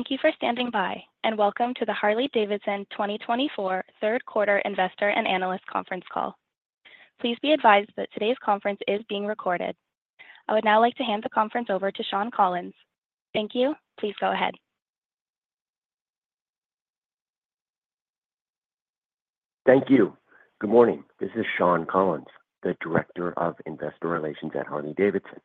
Thank you for standing by, and welcome to the Harley-Davidson 2024 third quarter investor and analyst conference call. Please be advised that today's conference is being recorded. I would now like to hand the conference over to Shawn Collins. Thank you. Please go ahead. Thank you. Good morning. This is Shawn Collins, the Director of Investor Relations at Harley-Davidson.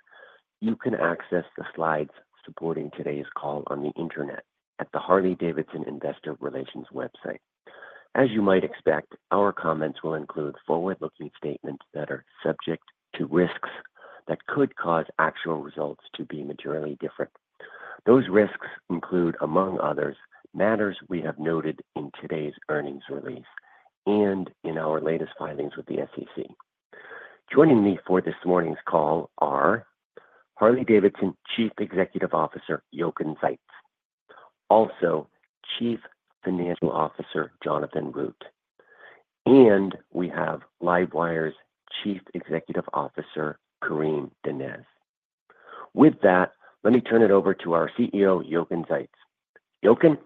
You can access the slides supporting today's call on the Internet at the Harley-Davidson Investor Relations website. As you might expect, our comments will include forward-looking statements that are subject to risks that could cause actual results to be materially different. Those risks include, among others, matters we have noted in today's earnings release and in our latest filings with the SEC. Joining me for this morning's call are Harley-Davidson’s Chief Executive Officer, Jochen Zeitz. Also, Chief Financial Officer, Jonathan Root. And we have LiveWire’s Chief Executive Officer, Karim Donnez. With that, let me turn it over to our CEO, Jochen Zeitz. Jochen?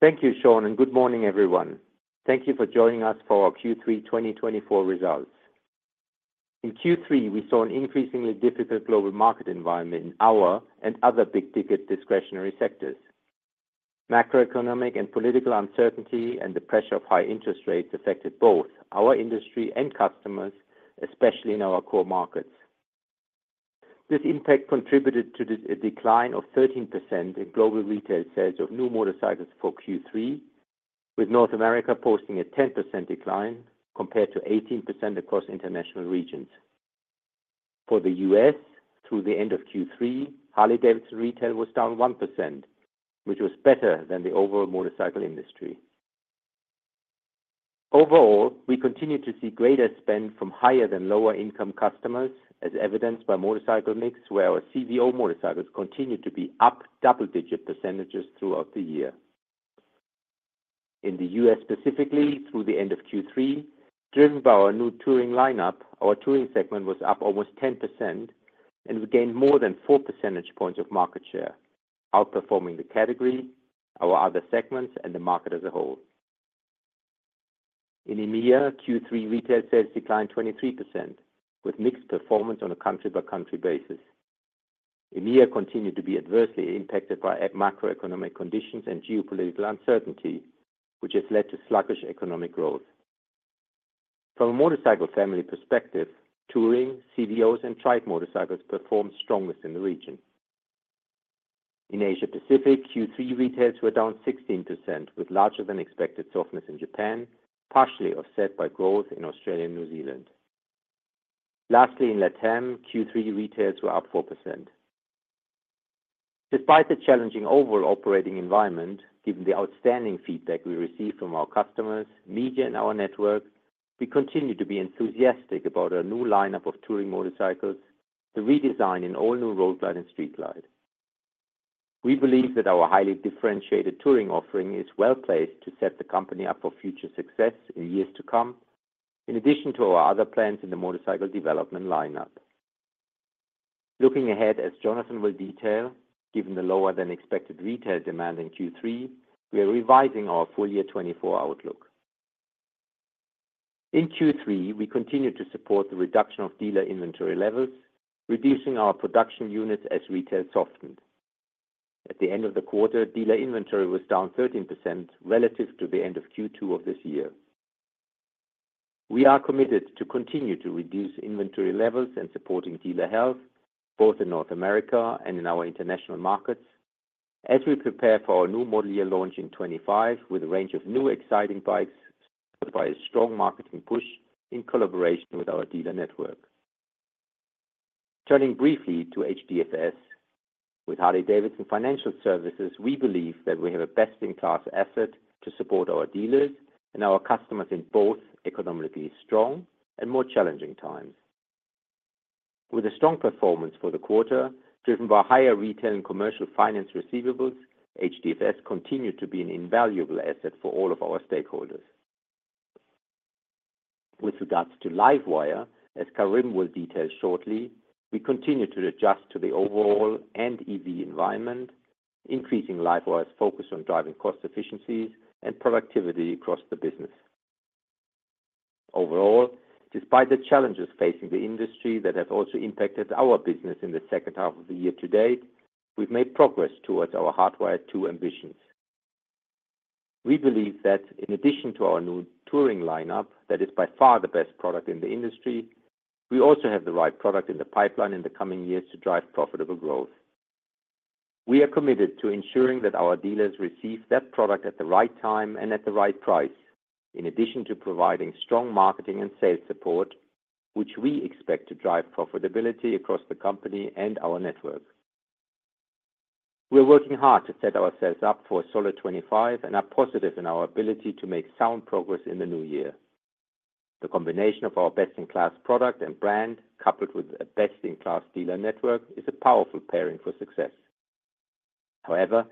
Thank you, Shawn, and good morning, everyone. Thank you for joining us for our Q3 2024 results. In Q3, we saw an increasingly difficult global market environment in our and other big-ticket discretionary sectors. Macroeconomic and political uncertainty and the pressure of high interest rates affected both our industry and customers, especially in our core markets. This impact contributed to the decline of 13% in global retail sales of new motorcycles for Q3, with North America posting a 10% decline compared to 18% across international regions. For the US, through the end of Q3, Harley-Davidson retail was down 1%, which was better than the overall motorcycle industry. Overall, we continue to see greater spend from higher than lower-income customers, as evidenced by motorcycle mix, where our CVO motorcycles continued to be up double-digit percentages throughout the year. In the U.S. specifically, through the end of Q3, driven by our new Touring lineup, our Touring segment was up almost 10% and we gained more than four percentage points of market share, outperforming the category, our other segments, and the market as a whole. In EMEA, Q3 retail sales declined 23%, with mixed performance on a country-by-country basis. EMEA continued to be adversely impacted by macroeconomic conditions and geopolitical uncertainty, which has led to sluggish economic growth. From a motorcycle family perspective, Touring, CVOs, and Trike motorcycles performed strongest in the region. In Asia Pacific, Q3 retails were down 16%, with larger than expected softness in Japan, partially offset by growth in Australia and New Zealand. Lastly, in LATAM, Q3 retails were up 4%. Despite the challenging overall operating environment, given the outstanding feedback we received from our customers, media, and our network, we continue to be enthusiastic about our new lineup of Touring motorcycles, the redesign in all new Road Glide and Street Glide. We believe that our highly differentiated Touring offering is well-placed to set the company up for future success in years to come, in addition to our other plans in the motorcycle development lineup. Looking ahead, as Jonathan will detail, given the lower than expected retail demand in Q3, we are revising our full year 2024 outlook. In Q3, we continued to support the reduction of dealer inventory levels, reducing our production units as retail softened. At the end of the quarter, dealer inventory was down 13% relative to the end of Q2 of this year. We are committed to continue to reduce inventory levels and supporting dealer health, both in North America and in our international markets, as we prepare for our new model year launch in 2025 with a range of new exciting bikes, supported by a strong marketing push in collaboration with our dealer network. Turning briefly to HDFS. With Harley-Davidson Financial Services, we believe that we have a best-in-class asset to support our dealers and our customers in both economically strong and more challenging times. With a strong performance for the quarter, driven by higher retail and commercial finance receivables, HDFS continued to be an invaluable asset for all of our stakeholders. With regards to LiveWire, as Karim will detail shortly, we continue to adjust to the overall and EV environment, increasing LiveWire's focus on driving cost efficiencies and productivity across the business. Overall, despite the challenges facing the industry that have also impacted our business in the second half of the year to date, we've made progress towards our Hardwire true ambitions. We believe that in addition to our new Touring lineup, that is by far the best product in the industry, we also have the right product in the pipeline in the coming years to drive profitable growth. We are committed to ensuring that our dealers receive that product at the right time and at the right price, in addition to providing strong marketing and sales support, which we expect to drive profitability across the company and our network. We are working hard to set ourselves up for a solid 2025 and are positive in our ability to make sound progress in the new year. The combination of our best-in-class product and brand, coupled with a best-in-class dealer network, is a powerful pairing for success. However,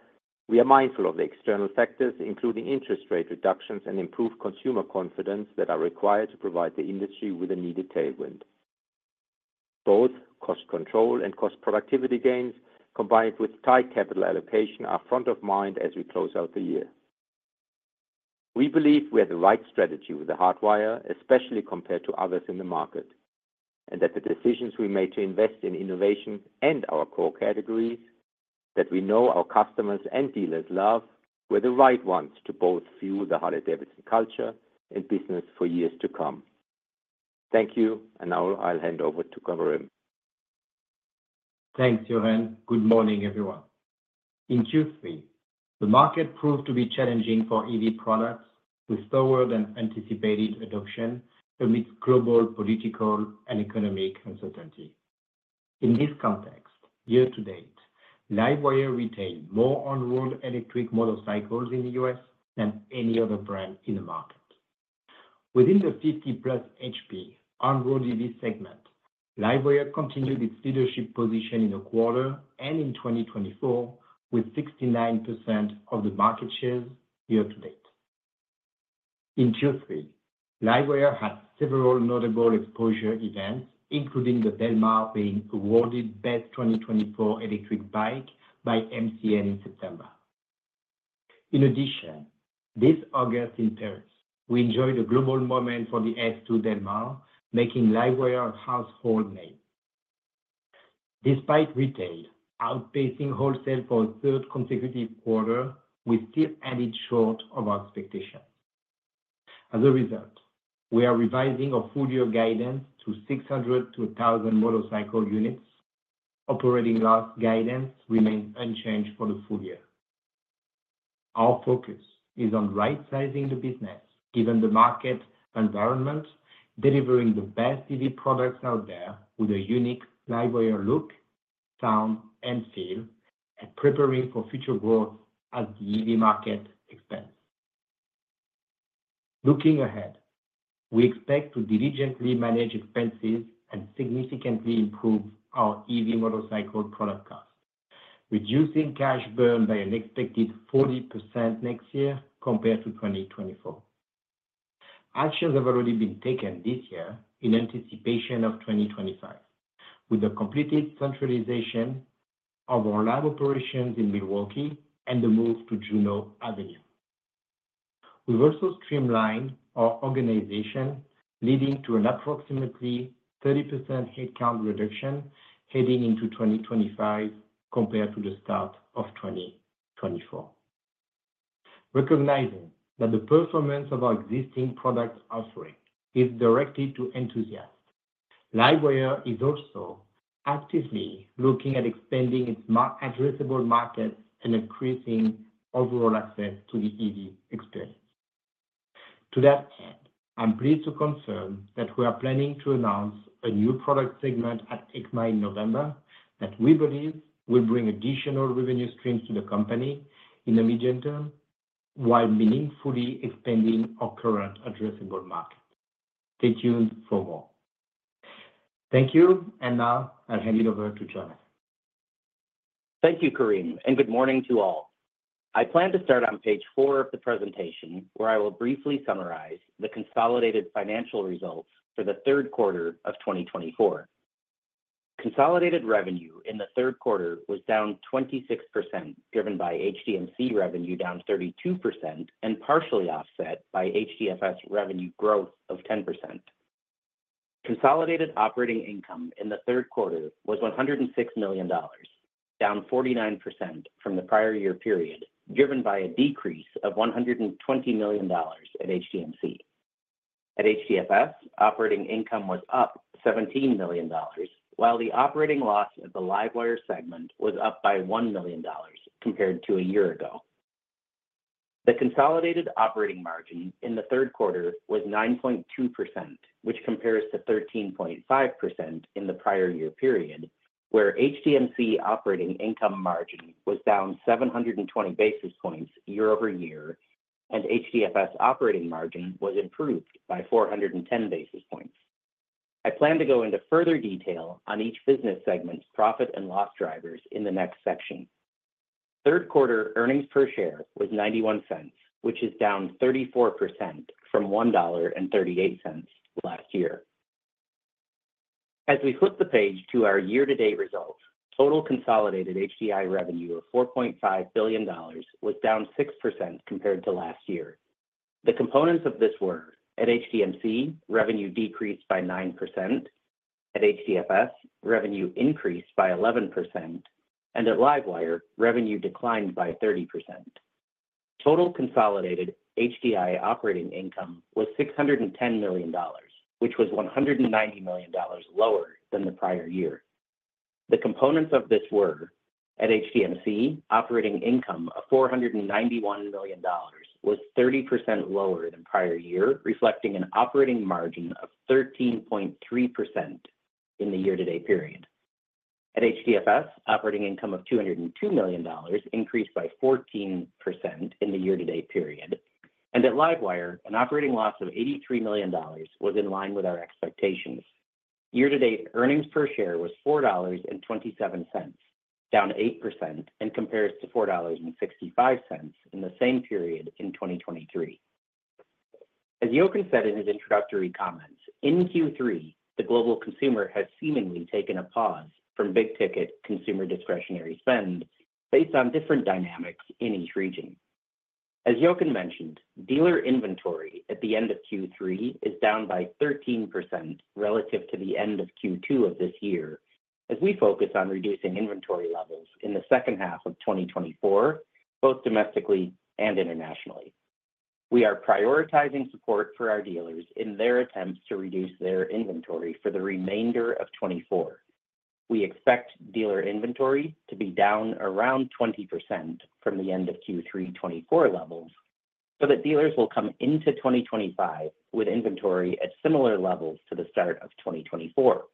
we are mindful of the external factors, including interest rate reductions and improved consumer confidence, that are required to provide the industry with a needed tailwind. Both cost control and cost productivity gains, combined with tight capital allocation, are front of mind as we close out the year. We believe we have the right strategy with the Hardwire, especially compared to others in the market, and that the decisions we made to invest in innovation and our core categories, that we know our customers and dealers love, were the right ones to both fuel the Harley-Davidson culture and business for years to come. Thank you, and now I'll hand over to Karim. Thanks, Jochen. Good morning, everyone. In Q3, the market proved to be challenging for EV products, with slower than anticipated adoption amidst global, political, and economic uncertainty. In this context, year to date, LiveWire retained more on-road electric motorcycles in the U.S. than any other brand in the market. Within the fifty-plus HP on-road EV segment, LiveWire continued its leadership position in the quarter and in 2024, with 69% of the market shares year to date. In Q3, LiveWire had several notable exposure events, including the Del Mar being awarded Best 2024 Electric Bike by MCN in September. In addition, this August in Paris, we enjoyed a global moment for the S2 Del Mar, making LiveWire a household name. Despite retail outpacing wholesale for a third consecutive quarter, we still ended short of our expectations. As a result, we are revising our full year guidance to 600-1,000 motorcycle units. Operating loss guidance remains unchanged for the full year. Our focus is on right-sizing the business, given the market environment, delivering the best EV products out there with a unique LiveWire look, sound, and feel, and preparing for future growth as the EV market expands. Looking ahead, we expect to diligently manage expenses and significantly improve our EV motorcycle product cost, reducing cash burn by an expected 40% next year compared to 2024. Actions have already been taken this year in anticipation of 2025, with the completed centralization of our lab operations in Milwaukee and the move to Juneau Avenue. We've also streamlined our organization, leading to an approximately 30% headcount reduction heading into 2025 compared to the start of 2024. Recognizing that the performance of our existing product offering is directly to enthusiasts, LiveWire is also actively looking at expanding its addressable market and increasing overall access to the EV experience. To that end, I'm pleased to confirm that we are planning to announce a new product segment at EICMA in November, that we believe will bring additional revenue streams to the company in the medium term, while meaningfully expanding our current addressable market. Stay tuned for more. Thank you, and now I'll hand it over to Jonathan. Thank you, Karim, and good morning to all. I plan to start on page four of the presentation, where I will briefly summarize the consolidated financial results for the third quarter of 2024. Consolidated revenue in the third quarter was down 26%, driven by HDMC revenue down 32%, and partially offset by HDFS revenue growth of 10%. Consolidated operating income in the third quarter was $106 million, down 49% from the prior year period, driven by a decrease of $120 million at HDMC. At HDFS, operating income was up $17 million, while the operating loss at the LiveWire segment was up by $1 million compared to a year ago. The consolidated operating margin in the third quarter was 9.2%, which compares to 13.5% in the prior year period, where HDMC operating income margin was down 720 basis points year-over-year, and HDFS operating margin was improved by 410 basis points. I plan to go into further detail on each business segment's profit and loss drivers in the next section. Third quarter earnings per share was $0.91, which is down 34% from $1.38 last year. As we flip the page to our year-to-date results, total consolidated HDI revenue of $4.5 billion was down 6% compared to last year. The components of this were: at HDMC, revenue decreased by 9%, at HDFS, revenue increased by 11%, and at LiveWire, revenue declined by 30%. Total consolidated HDI operating income was $610 million, which was $190 million lower than the prior year. The components of this were: at HDMC, operating income of $491 million was 30% lower than prior year, reflecting an operating margin of 13.3% in the year-to-date period. At HDFS, operating income of $202 million increased by 14% in the year-to-date period. And at LiveWire, an operating loss of $83 million was in line with our expectations. Year-to-date earnings per share was $4.27, down 8%, and compares to $4.65 in the same period in 2023. As Jochen said in his introductory comments, in Q3, the global consumer has seemingly taken a pause from big-ticket consumer discretionary spend based on different dynamics in each region. As Jochen mentioned, dealer inventory at the end of Q3 is down by 13% relative to the end of Q2 of this year, as we focus on reducing inventory levels in the second half of 2024, both domestically and internationally. We are prioritizing support for our dealers in their attempts to reduce their inventory for the remainder of 2024. We expect dealer inventory to be down around 20% from the end of Q3 2024 levels, so that dealers will come into 2025 with inventory at similar levels to the start of 2024.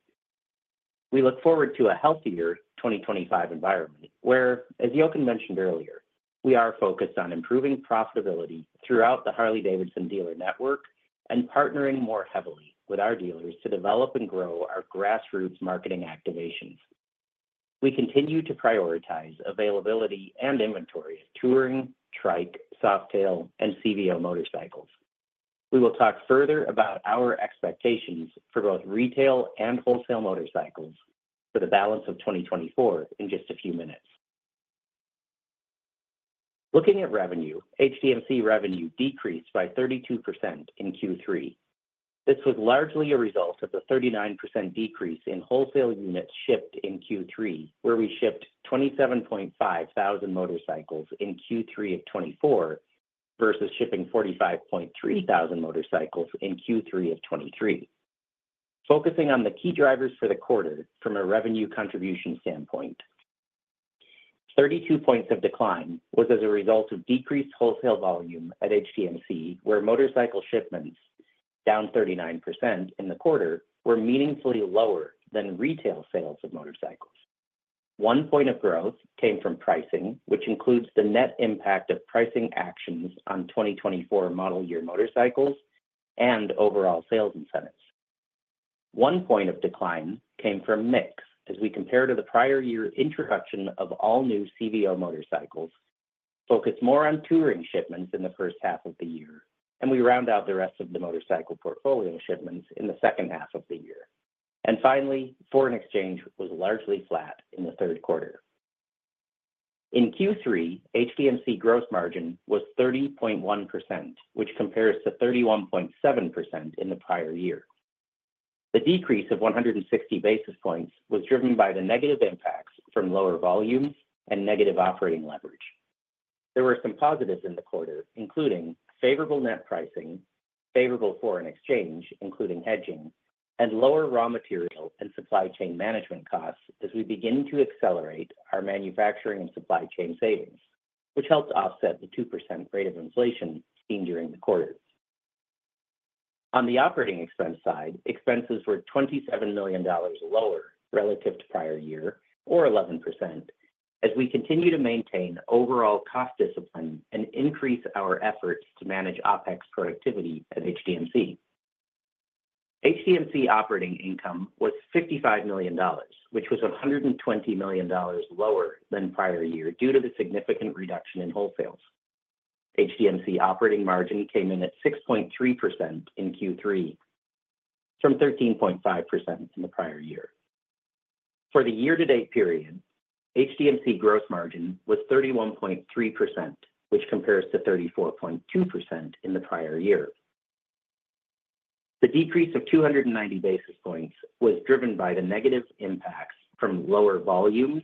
We look forward to a healthier twenty twenty-five environment, where, as Jochen mentioned earlier, we are focused on improving profitability throughout the Harley-Davidson dealer network and partnering more heavily with our dealers to develop and grow our grassroots marketing activations. We continue to prioritize availability and inventory, Touring, Trike, Softail, and CVO motorcycles. We will talk further about our expectations for both retail and wholesale motorcycles for the balance of twenty twenty-four in just a few minutes. Looking at revenue, HDMC revenue decreased by 32% in Q3. This was largely a result of the 39% decrease in wholesale units shipped in Q3, where we shipped 27.5 thousand motorcycles in Q3 of twenty twenty-four, versus shipping 45.3 thousand motorcycles in Q3 of twenty twenty-three. Focusing on the key drivers for the quarter from a revenue contribution standpoint, 32 points of decline was as a result of decreased wholesale volume at HDMC, where motorcycle shipments, down 39% in the quarter, were meaningfully lower than retail sales of motorcycles. One point of growth came from pricing, which includes the net impact of pricing actions on 2024 model year motorcycles and overall sales incentives. One point of decline came from mix, as we compare to the prior year introduction of all new CVO motorcycles, focus more on Touring shipments in the first half of the year, and we round out the rest of the motorcycle portfolio shipments in the second half of the year, and finally, foreign exchange was largely flat in the third quarter. In Q3, HDMC gross margin was 30.1%, which compares to 31.7% in the prior year. The decrease of 160 basis points was driven by the negative impacts from lower volumes and negative operating leverage. There were some positives in the quarter, including favorable net pricing, favorable foreign exchange, including hedging, and lower raw material and supply chain management costs as we begin to accelerate our manufacturing and supply chain savings, which helped offset the 2% rate of inflation seen during the quarter. On the operating expense side, expenses were $27 million lower relative to prior year, or 11%, as we continue to maintain overall cost discipline and increase our efforts to manage OpEx productivity at HDMC. HDMC operating income was $55 million, which was $120 million lower than prior year due to the significant reduction in wholesales. HDMC operating margin came in at 6.3% in Q3, from 13.5% in the prior year. For the year-to-date period, HDMC gross margin was 31.3%, which compares to 34.2% in the prior year. The decrease of 290 basis points was driven by the negative impacts from lower volumes,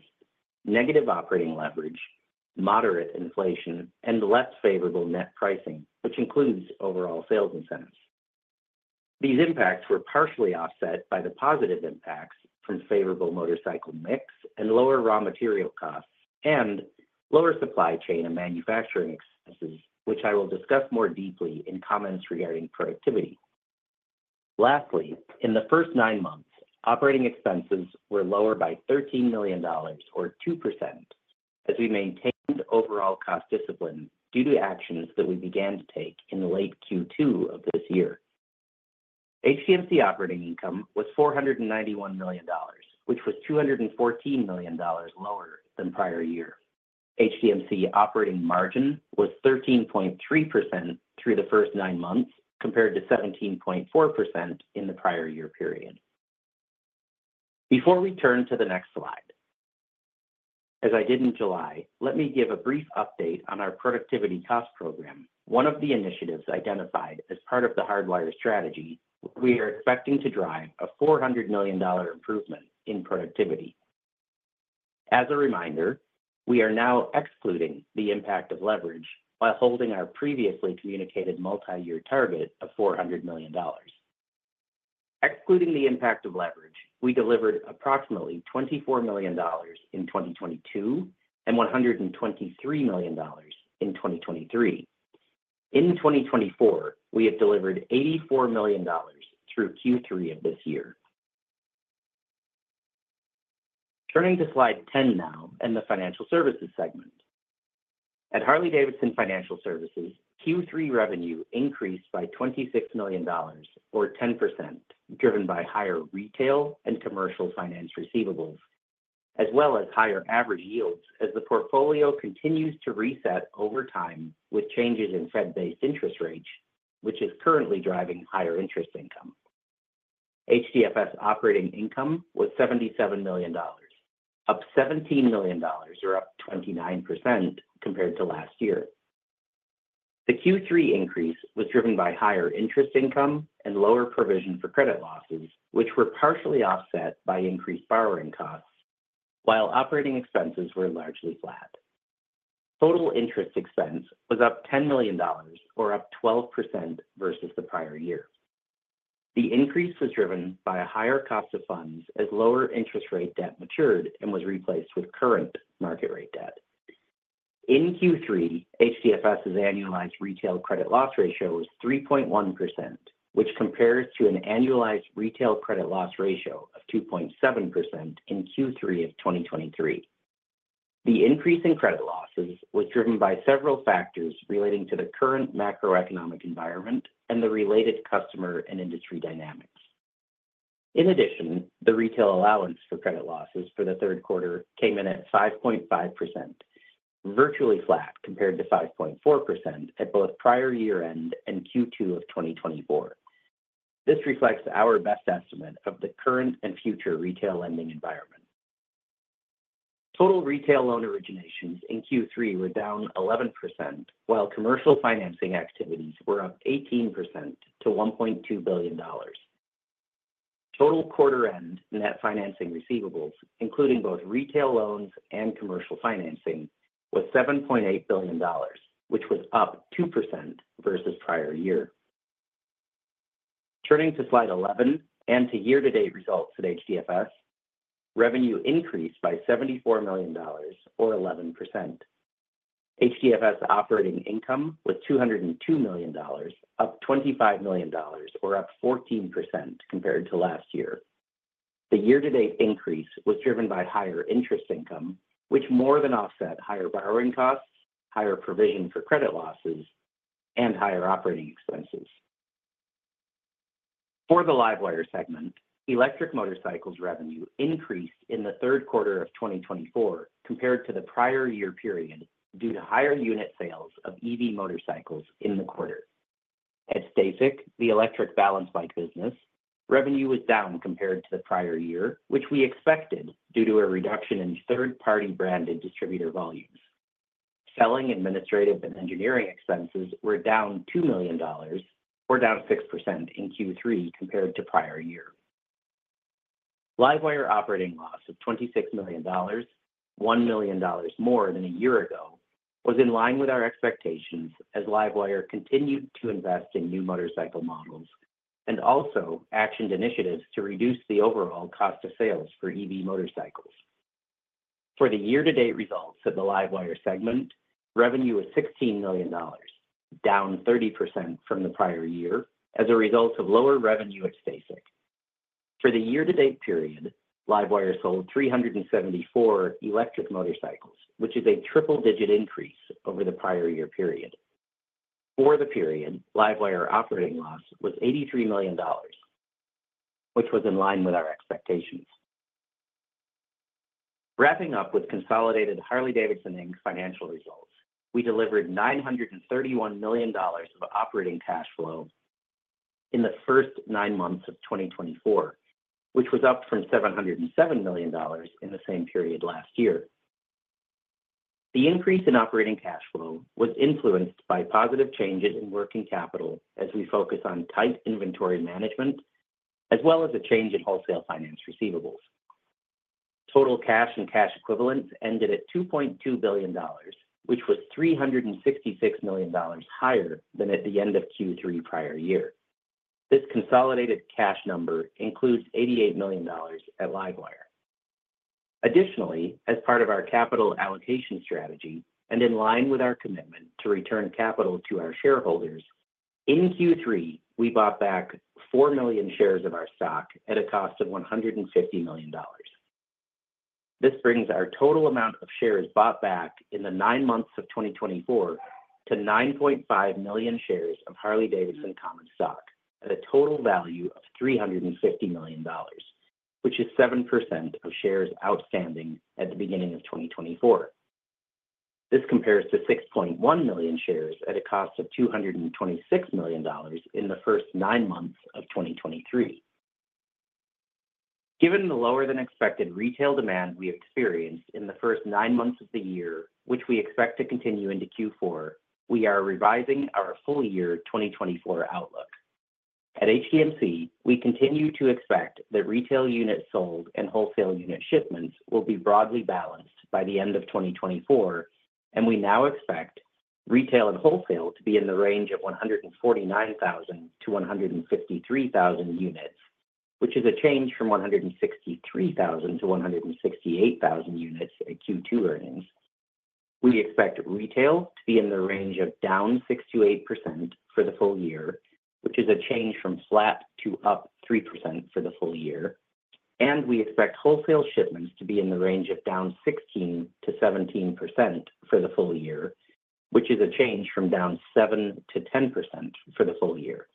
negative operating leverage, moderate inflation, and less favorable net pricing, which includes overall sales incentives. These impacts were partially offset by the positive impacts from favorable motorcycle mix and lower raw material costs, and lower supply chain and manufacturing expenses, which I will discuss more deeply in comments regarding productivity. Lastly, in the first nine months, operating expenses were lower by $13 million or 2%, as we maintained overall cost discipline due to actions that we began to take in the late Q2 of this year. HDMC operating income was $491 million, which was $214 million lower than prior year. HDMC operating margin was 13.3% through the first nine months, compared to 17.4% in the prior year period. Before we turn to the next slide, as I did in July, let me give a brief update on our productivity cost program, one of the initiatives identified as part of the Hardwire strategy. We are expecting to drive a $400 million improvement in productivity. As a reminder, we are now excluding the impact of leverage while holding our previously communicated multi-year target of $400 million. Excluding the impact of leverage, we delivered approximately $24 million in 2022, and $123 million in 2023. In 2024, we have delivered $84 million through Q3 of this year. Turning to slide 10 now and the financial services segment. At Harley-Davidson Financial Services, Q3 revenue increased by $26 million or 10%, driven by higher retail and commercial finance receivables, as well as higher average yields as the portfolio continues to reset over time with changes in Fed-based interest rates, which is currently driving higher interest income. HDFS operating income was $77 million, up $17 million, or up 29% compared to last year. The Q3 increase was driven by higher interest income and lower provision for credit losses, which were partially offset by increased borrowing costs, while operating expenses were largely flat. Total interest expense was up $10 million, or up 12% versus the prior year. The increase was driven by a higher cost of funds as lower interest rate debt matured and was replaced with current market rate debt. In Q3, HDFS's annualized retail credit loss ratio was 3.1%, which compares to an annualized retail credit loss ratio of 2.7% in Q3 of 2023. The increase in credit losses was driven by several factors relating to the current macroeconomic environment and the related customer and industry dynamics. In addition, the retail allowance for credit losses for the third quarter came in at 5.5%, virtually flat compared to 5.4% at both prior year-end and Q2 of 2024. This reflects our best estimate of the current and future retail lending environment. Total retail loan originations in Q3 were down 11%, while commercial financing activities were up 18% to $1.2 billion. Total quarter-end net financing receivables, including both retail loans and commercial financing, was $7.8 billion, which was up 2% versus prior year. Turning to slide 11 and to year-to-date results at HDFS, revenue increased by $74 million, or 11%. HDFS operating income was $202 million, up $25 million, or up 14% compared to last year. The year-to-date increase was driven by higher interest income, which more than offset higher borrowing costs, higher provision for credit losses, and higher operating expenses. For the LiveWire segment, electric motorcycles revenue increased in the third quarter of twenty twenty-four compared to the prior year period, due to higher unit sales of EV motorcycles in the quarter. At StaCyc, the electric balance bike business, revenue was down compared to the prior year, which we expected due to a reduction in third-party branded distributor volumes. Selling, administrative and engineering expenses were down $2 million, or down 6% in Q3 compared to prior year. LiveWire operating loss of $26 million, $1 million more than a year ago, was in line with our expectations as LiveWire continued to invest in new motorcycle models and also actioned initiatives to reduce the overall cost of sales for EV motorcycles. For the year-to-date results of the LiveWire segment, revenue was $16 million, down 30% from the prior year as a result of lower revenue at StaCyc. For the year-to-date period, LiveWire sold 374 electric motorcycles, which is a triple-digit increase over the prior year period. For the period, LiveWire operating loss was $83 million, which was in line with our expectations. Wrapping up with consolidated Harley-Davidson Inc.'s financial results, we delivered $931 million of operating cash flow in the first nine months of twenty twenty-four, which was up from $707 million in the same period last year. The increase in operating cash flow was influenced by positive changes in working capital as we focus on tight inventory management, as well as a change in wholesale finance receivables. Total cash and cash equivalents ended at $2.2 billion, which was $366 million higher than at the end of Q3 prior year. This consolidated cash number includes $88 million at LiveWire. Additionally, as part of our capital allocation strategy, and in line with our commitment to return capital to our shareholders, in Q3, we bought back 4 million shares of our stock at a cost of $150 million. This brings our total amount of shares bought back in the nine months of 2024 to 9.5 million shares of Harley-Davidson common stock at a total value of $350 million, which is 7% of shares outstanding at the beginning of 2024. This compares to 6.1 million shares at a cost of $226 million in the first nine months of 2023. Given the lower-than-expected retail demand we experienced in the first nine months of the year, which we expect to continue into Q4, we are revising our full year 2024 outlook. At HDMC, we continue to expect that retail units sold and wholesale unit shipments will be broadly balanced by the end of 2024, and we now expect retail and wholesale to be in the range of 149,000-153,000 units, which is a change from 163,000-168,000 units at Q2 earnings. We expect retail to be in the range of down 6%-8% for the full year, which is a change from flat to up 3% for the full year, and we expect wholesale shipments to be in the range of down 16%-17% for the full year, which is a change from down 7%-10% for the full year.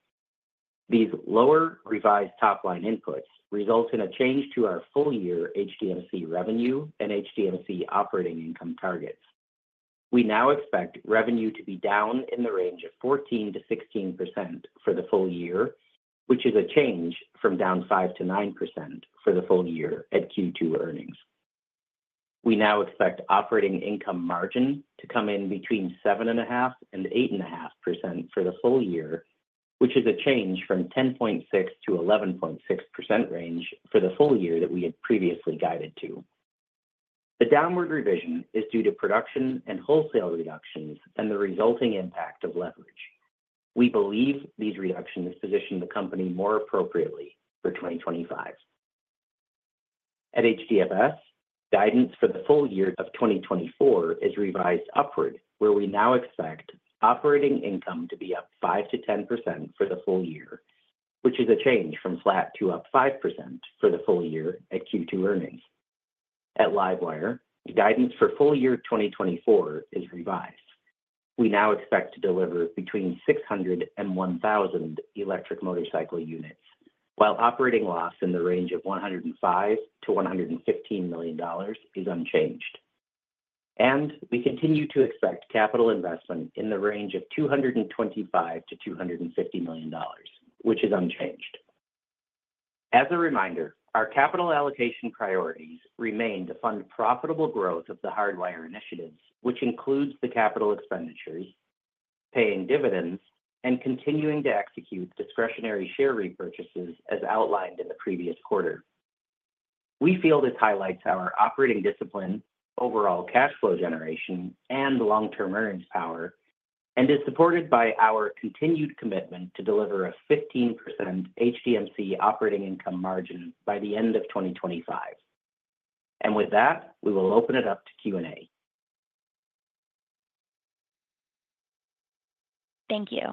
These lower revised top-line inputs results in a change to our full year HDMC revenue and HDMC operating income targets. We now expect revenue to be down in the range of 14%-16% for the full year, which is a change from down 5%-9% for the full year at Q2 earnings. We now expect operating income margin to come in between 7.5% and 8.5% for the full year, which is a change from 10.6%-11.6% range for the full year that we had previously guided to. The downward revision is due to production and wholesale reductions and the resulting impact of leverage. We believe these reductions position the company more appropriately for 2025. At HDFS, guidance for the full year of 2024 is revised upward, where we now expect operating income to be up 5%-10% for the full year, which is a change from flat to up 5% for the full year at Q2 earnings. At LiveWire, the guidance for full year 2024 is revised. We now expect to deliver between 600 and 1,000 electric motorcycle units, while operating loss in the range of $105 million-$115 million is unchanged. We continue to expect capital investment in the range of $225 million-$250 million, which is unchanged. As a reminder, our capital allocation priorities remain to fund profitable growth of the Hardwire initiatives, which includes the capital expenditures, paying dividends, and continuing to execute discretionary share repurchases as outlined in the previous quarter. We feel this highlights our operating discipline, overall cash flow generation, and long-term earnings power, and is supported by our continued commitment to deliver a 15% HDMC operating income margin by the end of 2025. With that, we will open it up to Q&A. Thank you.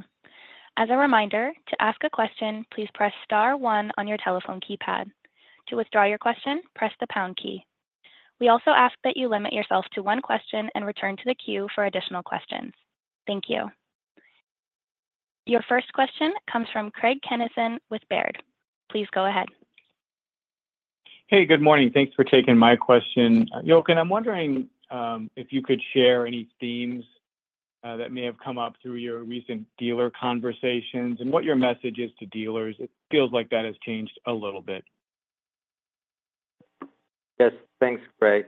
As a reminder, to ask a question, please press star one on your telephone keypad. To withdraw your question, press the pound key. We also ask that you limit yourself to one question and return to the queue for additional questions. Thank you. Your first question comes from Craig Kennison with Baird. Please go ahead. Hey, good morning. Thanks for taking my question. Jochen, I'm wondering if you could share any themes that may have come up through your recent dealer conversations and what your message is to dealers. It feels like that has changed a little bit. Yes. Thanks, Craig.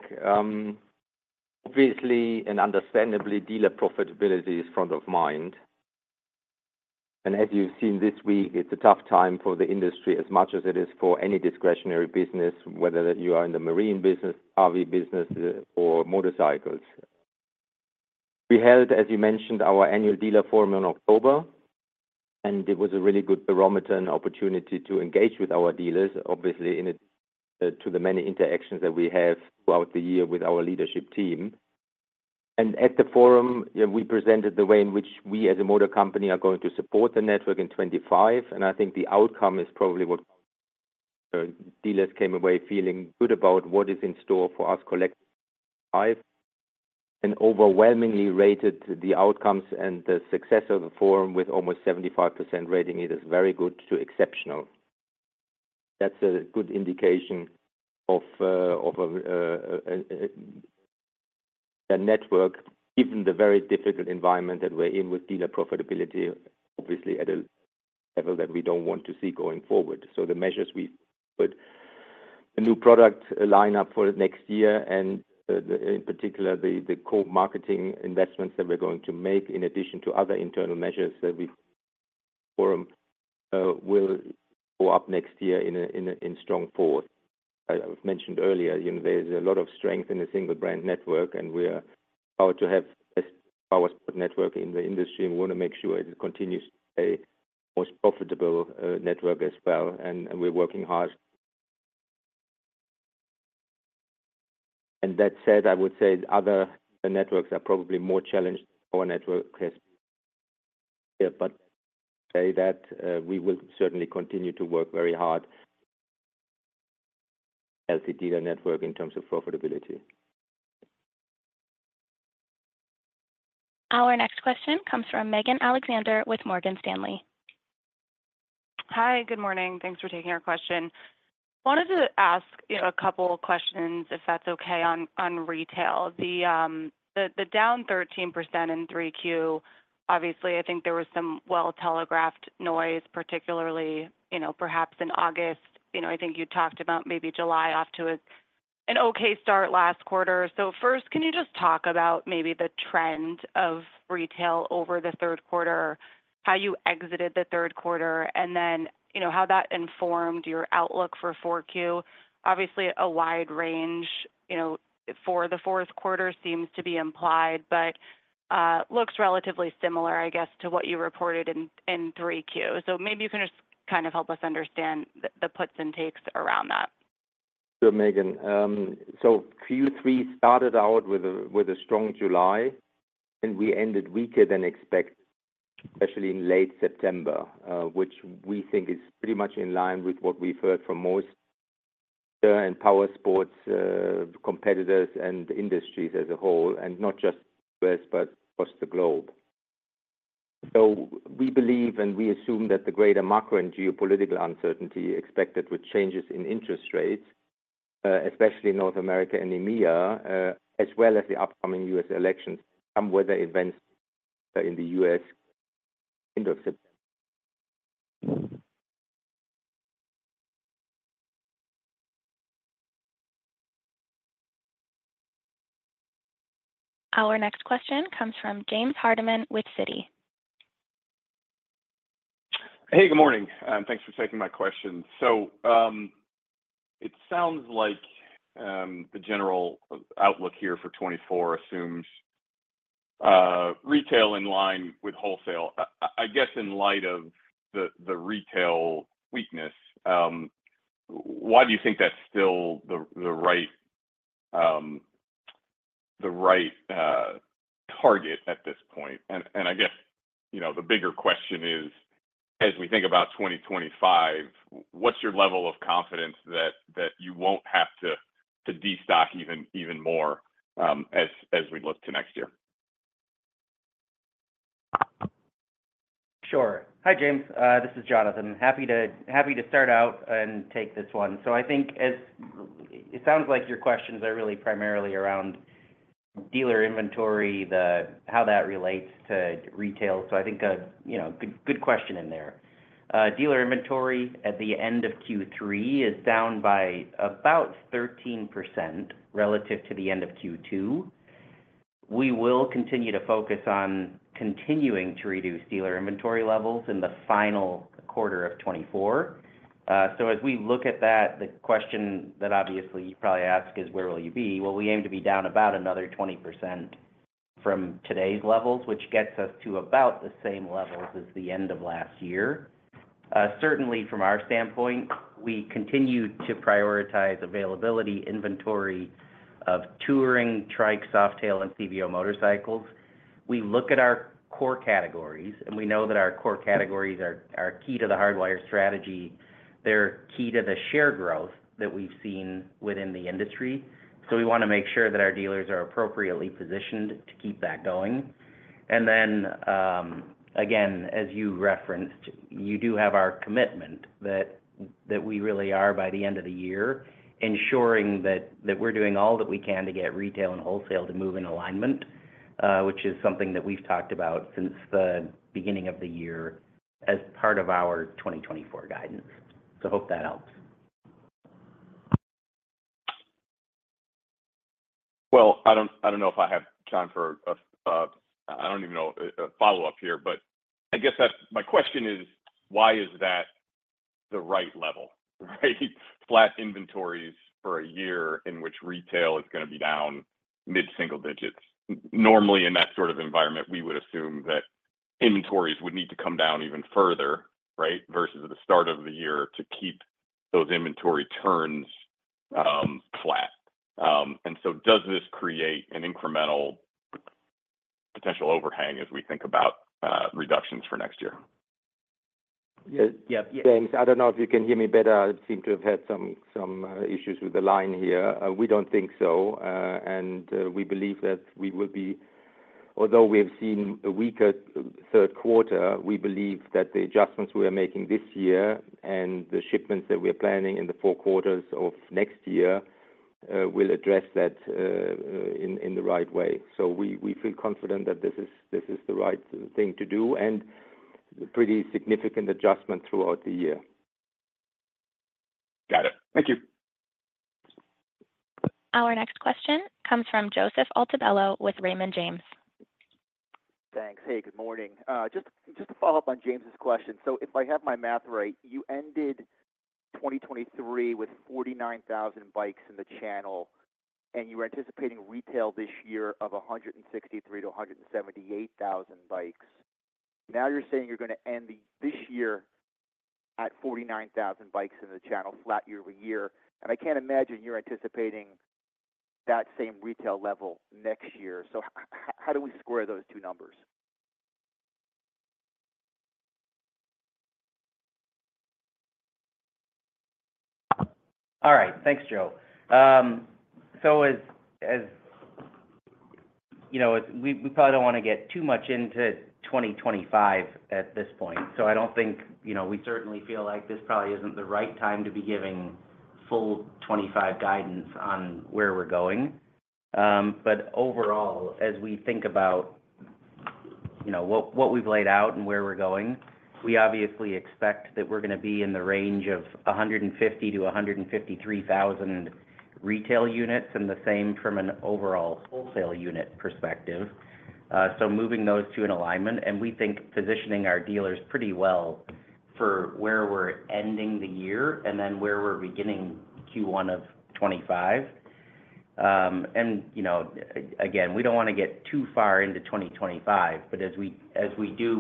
Obviously, and understandably, dealer profitability is front of mind, and as you've seen this week, it's a tough time for the industry as much as it is for any discretionary business, whether you are in the marine business, RV business, or motorcycles. We held, as you mentioned, our annual dealer forum in October, and it was a really good barometer and opportunity to engage with our dealers, obviously, in addition to the many interactions that we have throughout the year with our leadership team. At the forum, we presented the way in which we, as a Motor Company, are going to support the network in 2025, and I think the outcome is probably what dealers came away feeling good about what is in store for us collectively, and overwhelmingly rated the outcomes and the success of the forum with almost 75% rating it very good to exceptional. That's a good indication of a network, given the very difficult environment that we're in with dealer profitability, obviously at a level that we don't want to see going forward. The measures we put out a new product lineup for next year, and in particular, the co-marketing investments that we're going to make, in addition to other internal measures that the forum will go up next year in a strong fourth. I've mentioned earlier, you know, there's a lot of strength in a single brand network, and we are proud to have best power network in the industry, and we want to make sure it continues a most profitable network as well, and we're working hard. That said, I would say the other networks are probably more challenged. Our network has, but say that, we will certainly continue to work very hard as the dealer network in terms of profitability. Our next question comes from Megan Alexander with Morgan Stanley. Hi, good morning. Thanks for taking our question. Wanted to ask, you know, a couple of questions, if that's okay, on retail. The down 13% in 3Q, obviously, I think there was some well-telegraphed noise, particularly, you know, perhaps in August. You know, I think you talked about maybe July off to an okay start last quarter. So first, can you just talk about maybe the trend of retail over the third quarter, how you exited the third quarter, and then, you know, how that informed your outlook for 4Q? Obviously, a wide range, you know, for the fourth quarter seems to be implied, but looks relatively similar, I guess, to what you reported in 3Q. So maybe you can just kind of help us understand the puts and takes around that. Sure, Megan. So Q3 started out with a strong July, and we ended weaker than expected, especially in late September, which we think is pretty much in line with what we've heard from most and power sports competitors and industries as a whole, and not just us, but across the globe. So we believe, and we assume that the greater macro and geopolitical uncertainty expected with changes in interest rates, especially North America and EMEA, as well as the upcoming U.S. elections and weather events in the U.S., end of Sept- Our next question comes from James Hardiman with Citi. Hey, good morning, thanks for taking my question. So, it sounds like the general outlook here for 2024 assumes retail in line with wholesale. I guess in light of the retail weakness, why do you think that's still the right target at this point? And I guess, you know, the bigger question is, as we think about 2025, what's your level of confidence that you won't have to destock even more as we look to next year? Sure. Hi, James, this is Jonathan. Happy to start out and take this one. So I think as it sounds like your questions are really primarily around dealer inventory, how that relates to retail. So I think, you know, good question in there. Dealer inventory at the end of Q3 is down by about 13% relative to the end of Q2. We will continue to focus on continuing to reduce dealer inventory levels in the final quarter of 2024. So as we look at that, the question that obviously you probably ask is, "Where will you be?" We aim to be down about another 20% from today's levels, which gets us to about the same levels as the end of last year. Certainly from our standpoint, we continue to prioritize availability inventory of Touring, Trike, Softail, and CVO motorcycles. We look at our core categories, and we know that our core categories are key to the Hardwire strategy. They're key to the share growth that we've seen within the industry, so we wanna make sure that our dealers are appropriately positioned to keep that going. And then, again, as you referenced, you do have our commitment that we really are, by the end of the year, ensuring that we're doing all that we can to get retail and wholesale to move in alignment, which is something that we've talked about since the beginning of the year as part of our twenty twenty-four guidance. So hope that helps. I don't know if I have time for a follow-up here, but I guess that's my question: why is that the right level, right? Flat inventories for a year in which retail is gonna be down mid-single digits. Normally, in that sort of environment, we would assume that inventories would need to come down even further, right? Versus at the start of the year, to keep those inventory turns flat. And so does this create an incremental potential overhang as we think about reductions for next year? Yeah. Yeah- James, I don't know if you can hear me better. I seem to have had some issues with the line here. We don't think so, and we believe that although we have seen a weaker third quarter, we believe that the adjustments we are making this year and the shipments that we are planning in the four quarters of next year will address that in the right way. So we feel confident that this is the right thing to do, and pretty significant adjustment throughout the year. Got it. Thank you. Our next question comes from Joseph Altobello with Raymond James. Thanks. Hey, good morning. Just to follow up on James' question: so if I have my math right, you ended 2023 with 49,000 bikes in the channel, and you were anticipating retail this year of 163,000 to 178,000 bikes. Now, you're saying you're gonna end this year at 49,000 bikes in the channel, flat year-over-year, and I can't imagine you're anticipating that same retail level next year. So how do we square those two numbers? All right. Thanks, Joe. So as you know, we probably don't wanna get too much into 2025 at this point. So I don't think, you know, we certainly feel like this probably isn't the right time to be giving full 2025 guidance on where we're going. But overall, as we think about, you know, what we've laid out and where we're going, we obviously expect that we're gonna be in the range of 150-153 thousand retail units, and the same from an overall wholesale unit perspective. So moving those to an alignment, and we think positioning our dealers pretty well for where we're ending the year and then where we're beginning Q1 of 2025. You know, again, we don't wanna get too far into 2025, but as we do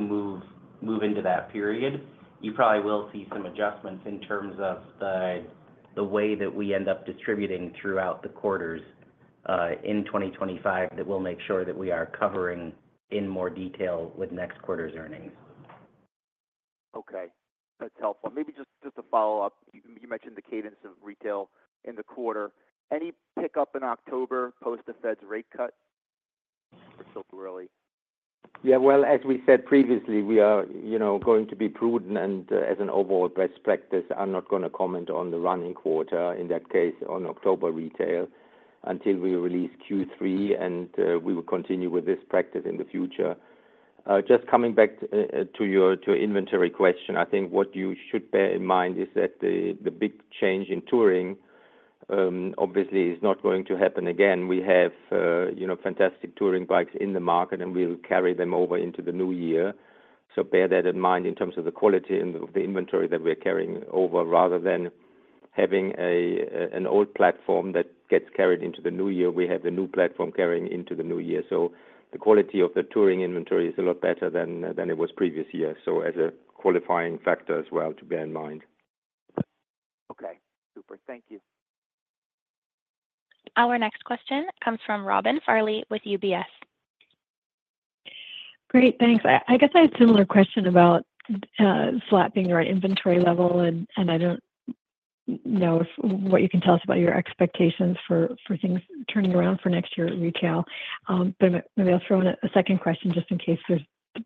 move into that period, you probably will see some adjustments in terms of the way that we end up distributing throughout the quarters in 2025 that we'll make sure that we are covering in more detail with next quarter's earnings.... Okay, that's helpful. Maybe just to follow up, you mentioned the cadence of retail in the quarter. Any pickup in October post the Fed's rate cut for LiveWire? Yeah, well, as we said previously, we are, you know, going to be prudent, and as an overall best practice, I'm not gonna comment on the running quarter, in that case, on October retail, until we release Q3, and we will continue with this practice in the future. Just coming back to your inventory question, I think what you should bear in mind is that the big change in Touring, obviously, is not going to happen again. We have, you know, fantastic Touring bikes in the market, and we'll carry them over into the new year. So bear that in mind in terms of the quality and the inventory that we're carrying over. Rather than having an old platform that gets carried into the new year, we have the new platform carrying into the new year. The quality of the Touring inventory is a lot better than it was previous years. As a qualifying factor as well, to bear in mind. Okay, super. Thank you. Our next question comes from Robin Farley with UBS. Great, thanks. I guess I had a similar question about getting the right inventory level, and I don't know if what you can tell us about your expectations for things turning around for next year at retail. But maybe I'll throw in a second question just in case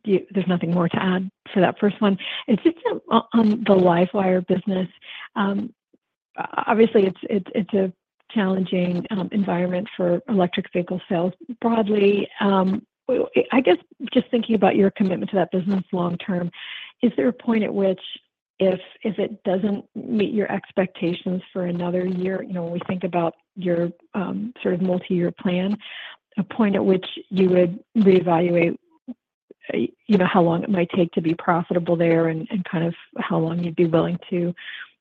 there's nothing more to add to that first one. And just on the LiveWire business, obviously, it's a challenging environment for electric vehicle sales. Broadly, I guess, just thinking about your commitment to that business long term, is there a point at which if it doesn't meet your expectations for another year, you know, when we think about your, sort of multi-year plan, a point at which you would reevaluate, you know, how long it might take to be profitable there and, and kind of how long you'd be willing to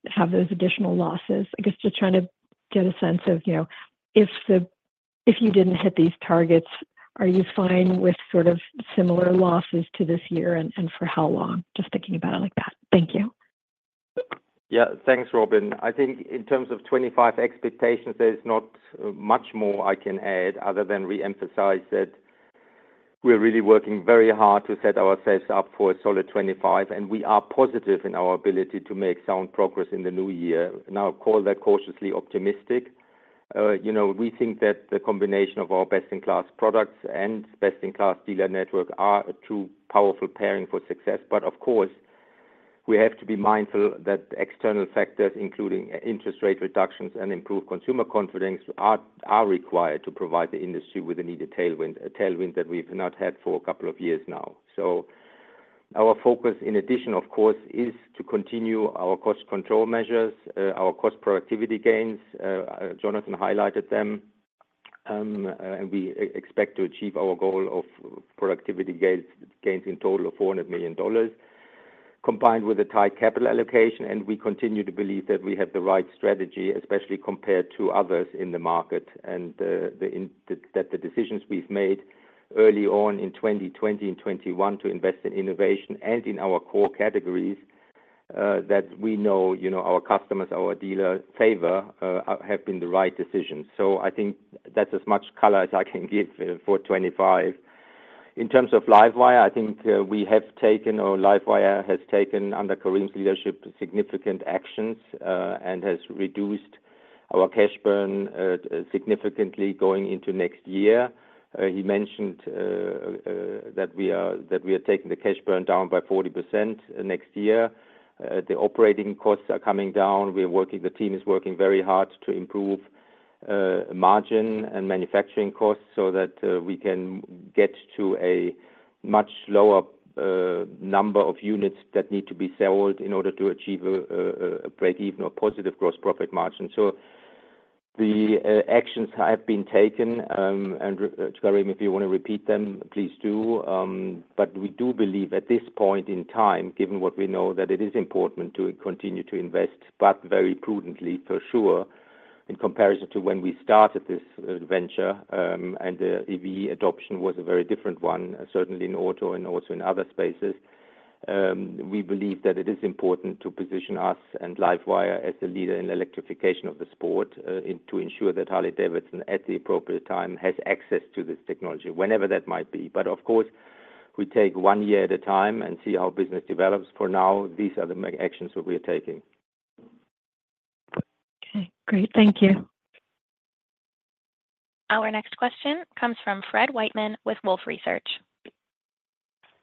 have those additional losses? I guess, just trying to get a sense of, you know, if you didn't hit these targets, are you fine with sort of similar losses to this year, and, and for how long? Just thinking about it like that. Thank you. Yeah. Thanks, Robin. I think in terms of 2025 expectations, there's not much more I can add other than reemphasize that we're really working very hard to set ourselves up for a solid 2025, and we are positive in our ability to make sound progress in the new year. Now, call that cautiously optimistic. You know, we think that the combination of our best-in-class products and best-in-class dealer network are a true powerful pairing for success. But of course, we have to be mindful that external factors, including interest rate reductions and improved consumer confidence, are required to provide the industry with the needed tailwind, a tailwind that we've not had for a couple of years now. So our focus, in addition, of course, is to continue our cost control measures, our cost productivity gains. Jonathan highlighted them, and we expect to achieve our goal of productivity gains in total of $400 million, combined with a tight capital allocation, and we continue to believe that we have the right strategy, especially compared to others in the market, and that the decisions we've made early on in 2020 and 2021 to invest in innovation and in our core categories, that we know, you know, our customers, our dealers favor, have been the right decisions. So I think that's as much color as I can give for 2025. In terms of LiveWire, I think we have taken, or LiveWire has taken, under Karim's leadership, significant actions, and has reduced our cash burn significantly going into next year. He mentioned that we are taking the cash burn down by 40% next year. The operating costs are coming down. We are working, the team is working very hard to improve margin and manufacturing costs so that we can get to a much lower number of units that need to be sold in order to achieve a break-even or positive gross profit margin, so the actions have been taken, and Karim, if you want to repeat them, please do, but we do believe at this point in time, given what we know, that it is important to continue to invest, but very prudently, for sure, in comparison to when we started this venture, and the EV adoption was a very different one, certainly in auto and also in other spaces. We believe that it is important to position us and LiveWire as the leader in the electrification of the sport, and to ensure that Harley-Davidson, at the appropriate time, has access to this technology, whenever that might be. But of course, we take one year at a time and see how business develops. For now, these are the actions that we are taking. Okay, great. Thank you. Our next question comes from Fred Wightman with Wolfe Research.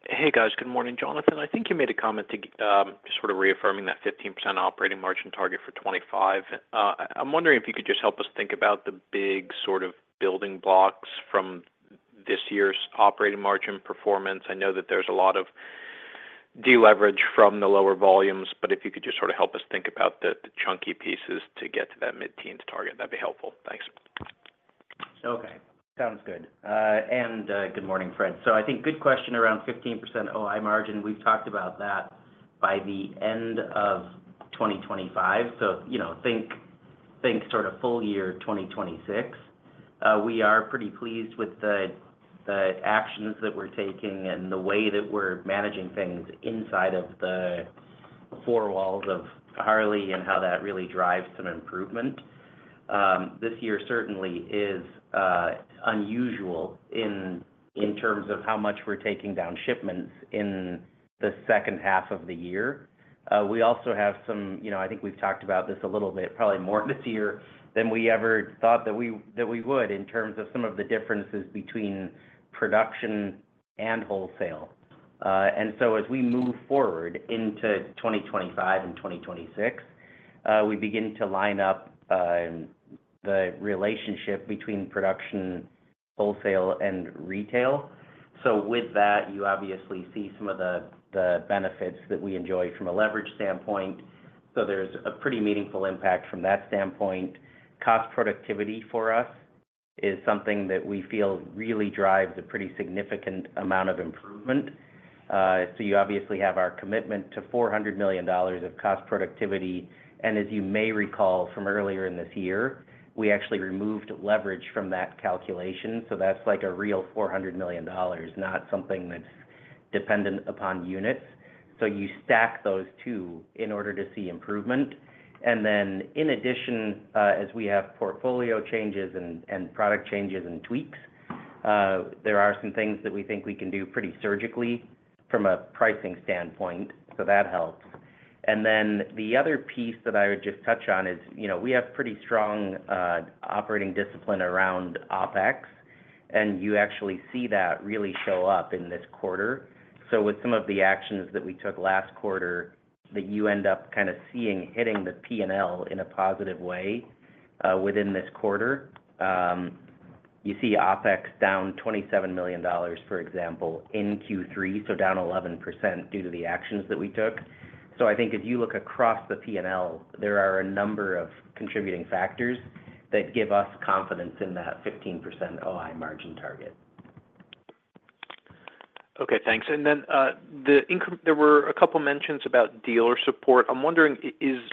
Hey, guys. Good morning, Jonathan. I think you made a comment to, sort of reaffirming that 15% operating margin target for 2025. I'm wondering if you could just help us think about the big sort of building blocks from this year's operating margin performance. I know that there's a lot of deleverage from the lower volumes, but if you could just sort of help us think about the chunky pieces to get to that mid-teen target, that'd be helpful. Thanks. Okay, sounds good. Good morning, Fred. So I think good question around 15% OI margin. We've talked about that by the end of 2025, so you know, think sort of full year 2026. We are pretty pleased with the actions that we're taking and the way that we're managing things inside of the four walls of Harley and how that really drives some improvement. This year certainly is unusual in terms of how much we're taking down shipments in the second half of the year. We also have some. You know, I think we've talked about this a little bit, probably more this year than we ever thought that we would, in terms of some of the differences between production and wholesale. As we move forward into 2025 and 2026, we begin to line up the relationship between production, wholesale, and retail. With that, you obviously see some of the benefits that we enjoy from a leverage standpoint. There's a pretty meaningful impact from that standpoint. Cost productivity for us is something that we feel really drives a pretty significant amount of improvement. You obviously have our commitment to $400 million of cost productivity, and as you may recall from earlier in this year, we actually removed leverage from that calculation. That's like a real $400 million, not something that's dependent upon units. You stack those two in order to see improvement. And then in addition, as we have portfolio changes and product changes and tweaks, there are some things that we think we can do pretty surgically from a pricing standpoint, so that helps. And then the other piece that I would just touch on is, you know, we have pretty strong operating discipline around OpEx, and you actually see that really show up in this quarter. So with some of the actions that we took last quarter, that you end up kind of seeing hitting the P&L in a positive way within this quarter. You see OpEx down $27 million, for example, in Q3, so down 11% due to the actions that we took. So I think if you look across the P&L, there are a number of contributing factors that give us confidence in that 15% OI margin target. Okay, thanks. And then, there were a couple mentions about dealer support. I'm wondering,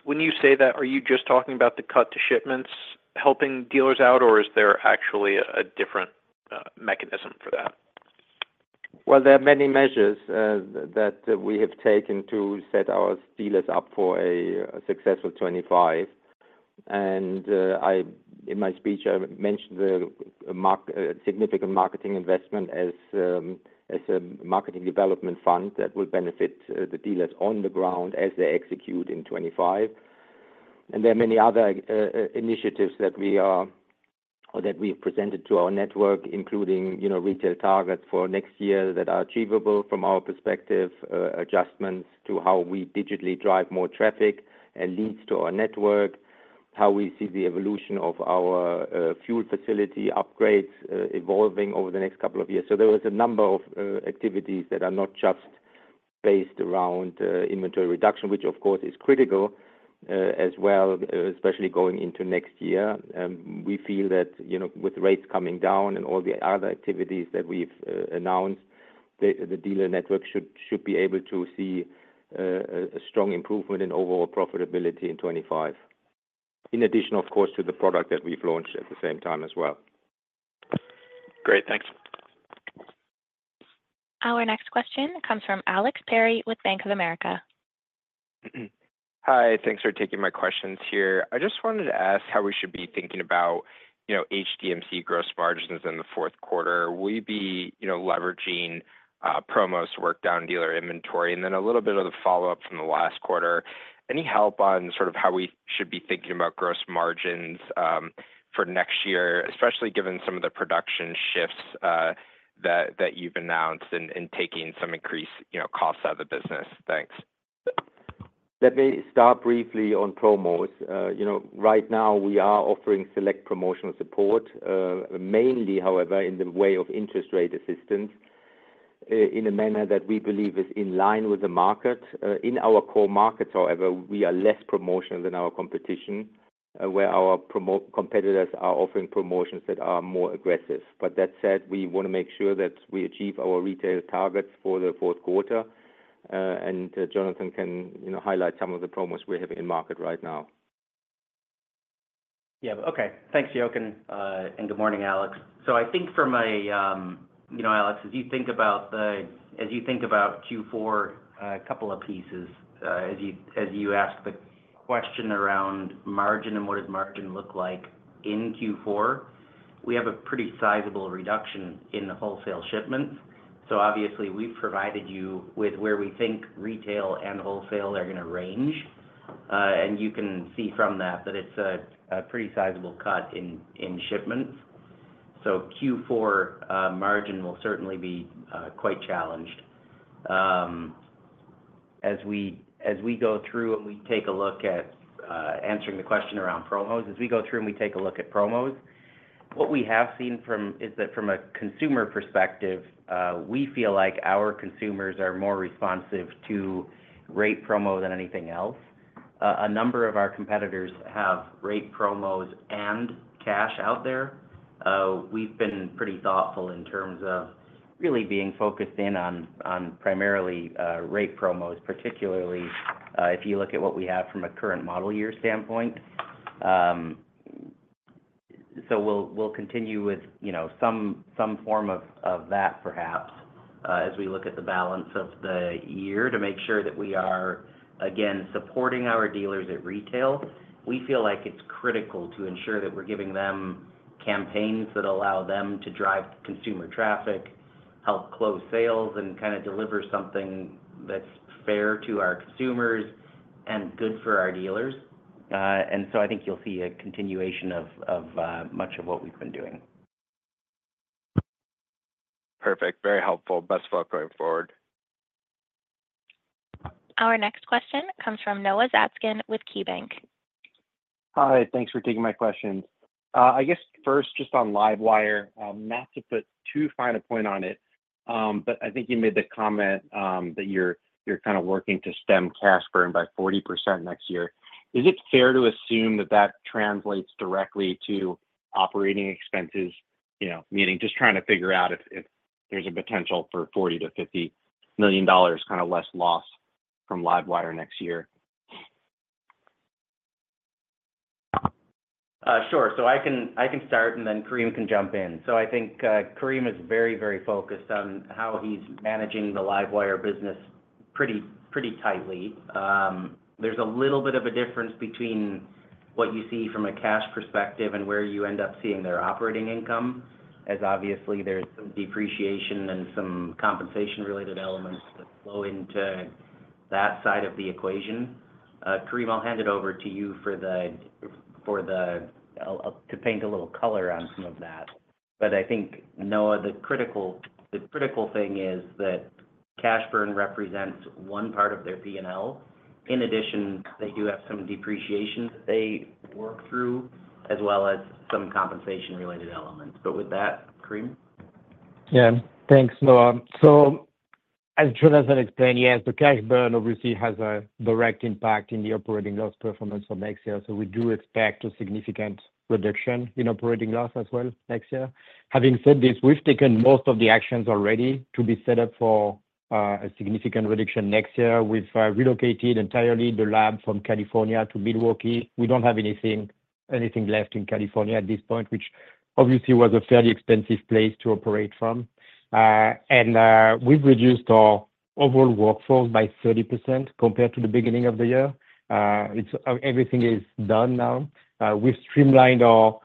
when you say that, are you just talking about the cut to shipments helping dealers out, or is there actually a different mechanism for that? There are many measures that we have taken to set our dealers up for a successful 2025. In my speech, I mentioned the significant marketing investment as a marketing development fund that will benefit the dealers on the ground as they execute in 2025. There are many other initiatives that we are, or that we presented to our network, including, you know, retail targets for next year that are achievable from our perspective, adjustments to how we digitally drive more traffic and leads to our network, how we see the evolution of our full facility upgrades evolving over the next couple of years. There was a number of activities that are not just based around inventory reduction, which of course is critical as well, especially going into next year. We feel that, you know, with rates coming down and all the other activities that we've announced, the dealer network should be able to see a strong improvement in overall profitability in 2025. In addition, of course, to the product that we've launched at the same time as well. Great. Thanks. Our next question comes from Alex Perry, with Bank of America. Hi, thanks for taking my questions here. I just wanted to ask how we should be thinking about, you know, HDMC gross margins in the fourth quarter. Will we be, you know, leveraging promos to work down dealer inventory? And then a little bit of the follow-up from the last quarter. Any help on sort of how we should be thinking about gross margins for next year, especially given some of the production shifts that you've announced in taking some increased, you know, costs out of the business? Thanks. Let me start briefly on promos. You know, right now we are offering select promotional support, mainly, however, in the way of interest rate assistance, in a manner that we believe is in line with the market. In our core markets, however, we are less promotional than our competition, where our competitors are offering promotions that are more aggressive. But that said, we want to make sure that we achieve our retail targets for the fourth quarter, and Jonathan can, you know, highlight some of the promos we have in market right now. Yeah. Okay. Thanks, Jochen, and good morning, Alex. So I think from a, You know, Alex, as you think about the, as you think about Q4, a couple of pieces. As you, as you asked the question around margin and what does margin look like in Q4, we have a pretty sizable reduction in the wholesale shipments. So obviously, we've provided you with where we think retail and wholesale are going to range. And you can see from that, that it's a, a pretty sizable cut in, in shipments. So Q4, margin will certainly be, quite challenged. As we go through and take a look at answering the question around promos, what we have seen is that from a consumer perspective, we feel like our consumers are more responsive to rate promo than anything else. A number of our competitors have rate promos and cash out there. We've been pretty thoughtful in terms of really being focused in on primarily rate promos, particularly if you look at what we have from a current model year standpoint, so we'll continue with you know some form of that perhaps as we look at the balance of the year to make sure that we are again supporting our dealers at retail. We feel like it's critical to ensure that we're giving them campaigns that allow them to drive consumer traffic, help close sales, and kind of deliver something that's fair to our consumers and good for our dealers, and so I think you'll see a continuation of much of what we've been doing. Perfect. Very helpful. Best of luck going forward. Our next question comes from Noah Zatzkin with KeyBanc. Hi, thanks for taking my questions. I guess first, just on LiveWire, not to put too fine a point on it, but I think you made the comment that you're kind of working to stem cash burn by 40% next year. Is it fair to assume that that translates directly to operating expenses? You know, meaning just trying to figure out if there's a potential for $40 million-$50 million kind of less loss from LiveWire next year. Sure. So I can start, and then Karim can jump in. So I think, Karim is very, very focused on how he's managing the LiveWire business pretty, pretty tightly. There's a little bit of a difference between what you see from a cash perspective and where you end up seeing their operating income, as obviously there's some depreciation and some compensation-related elements that flow into that side of the equation. Karim, I'll hand it over to you to paint a little color on some of that. But I think, Noah, the critical thing is that cash burn represents one part of their P&L. In addition, they do have some depreciation that they work through, as well as some compensation-related elements. But with that, Karim? Yeah. Thanks, Noah, so as Jonathan explained, yes, the cash burn obviously has a direct impact in the operating loss performance for next year, so we do expect a significant reduction in operating loss as well next year. Having said this, we've taken most of the actions already to be set up for a significant reduction next year. We've relocated entirely the lab from California to Milwaukee. We don't have anything left in California at this point, which obviously was a fairly expensive place to operate from, and we've reduced our overall workforce by 30% compared to the beginning of the year. It's everything is done now. We've streamlined our